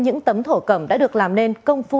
những tấm thổ cẩm đã được làm nên công phu